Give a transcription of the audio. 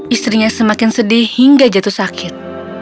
istrinya semakin sedih hingga jatuh sakit